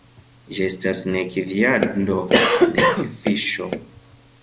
Ĝi estas nek viando, nek fiŝo.